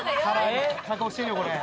加工してるよこれ。